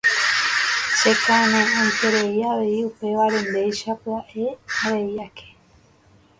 Chekaneʼõiterei avei upévare ndéicha pyaʼe avei ake.